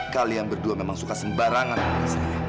kalian berdua memang suka sembarangan sama saya